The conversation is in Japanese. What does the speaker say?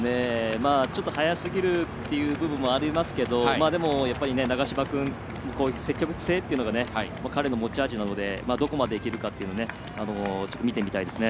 早すぎるっていう部分もありますけれどもでも、長嶋君、積極性というのが彼の持ち味なのでどこまでいけるか見てみたいですね。